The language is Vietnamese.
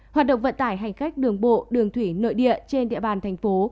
hoạt động vận tải hành khách đường bộ đường thủy nội địa trên địa bàn thành phố